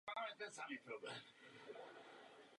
Phoenix obhajuje práva zvířat.